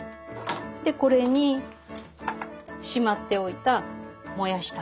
でこれにしまっておいたもやしたっぷり。